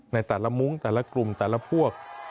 ในแต่ละมุ้งแต่ละกลุ่มแต่ละพวก